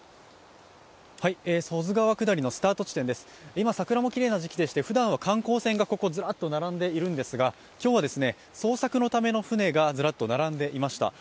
今桜もきれいな時期でしてふだんは観光船がここずらっと並んでいるんですが今日は捜索のための船がずらっと並んでいました。